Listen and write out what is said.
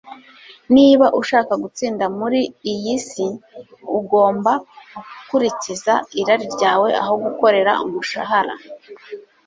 Niba ushaka gutsinda muri iyi si, ugomba gukurikiza irari ryawe, aho gukorera umushahara.”